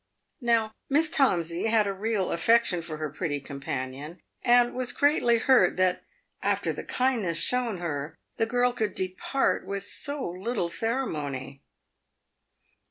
Now, Miss Tomsey had a real affection for her pretty companion, and was greatly hurt that, after the kindness shown her, the girl could depart with so little ceremony.